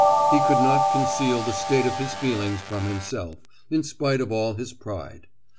He could not conceal the state of his feelings from himself, in spite of all his pride.